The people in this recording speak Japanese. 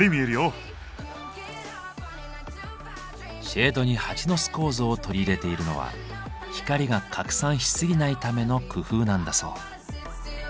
シェードにハチの巣構造を取り入れているのは光が拡散しすぎないための工夫なんだそう。